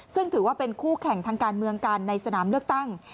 ซึ่งถือว่าเป็นคู่แข่งทางการเมืองกันในสนามเลือกตั้ง